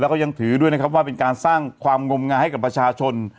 แล้วก็ยังถือด้วยนะครับว่าเป็นการสร้างความงมงายให้กับประชาชน